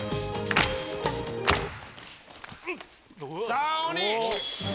さあ鬼。